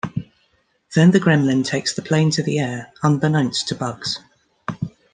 Then the gremlin takes the plane to the air, unbeknownst to Bugs.